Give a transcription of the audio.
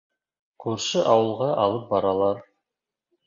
Күрше ауылға алып баралар.